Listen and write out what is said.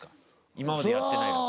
今までやってないやつ。